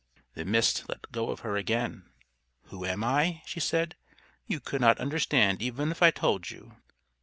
The Mist let go of her again. "Who am I?" she said. "You could not understand even if I told you."